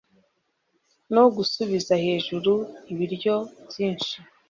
no gusubiza hejuru ibiryo byinshi